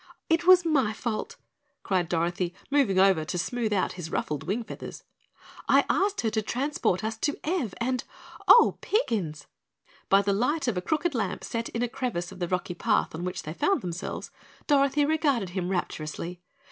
"It was my fault," cried Dorothy, moving over to smooth out his ruffled wing feathers. "I asked her to transport us to Ev, and OH, PIGGINS!" By the light of a crooked lamp set in a crevice of the rocky path on which they found themselves Dorothy regarded him rapturously.